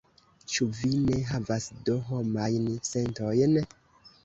Ĉu vi ne havas do homajn sentojn?